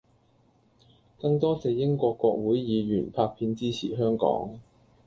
更多謝英國國會議員拍片支持香港